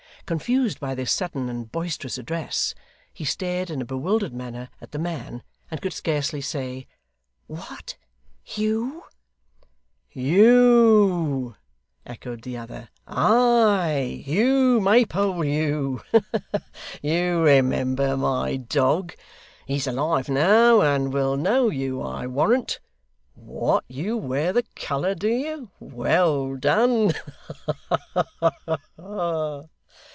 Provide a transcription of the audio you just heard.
Confused by this sudden and boisterous address, he stared in a bewildered manner at the man, and could scarcely say 'What! Hugh!' 'Hugh!' echoed the other; 'ay, Hugh Maypole Hugh! You remember my dog? He's alive now, and will know you, I warrant. What, you wear the colour, do you? Well done! Ha ha ha!